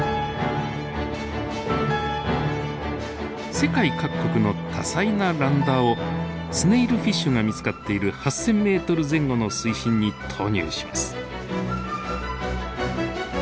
世界各国の多彩なランダーをスネイルフィッシュが見つかっている８，０００ｍ前後の水深に投入します。